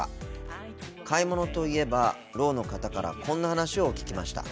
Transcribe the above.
買い物といえばろうの方からこんな話を聞きました。